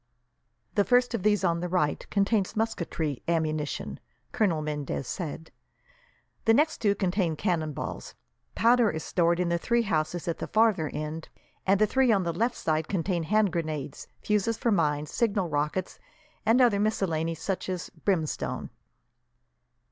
"The first of these on the right contains musketry ammunition," Colonel Mendez said, "the next two contain cannonballs; powder is stored in the three houses at the farther end, and the three on the left side contain hand grenades, fuses for mines, signal rockets, and other miscellanies, such as brimstone."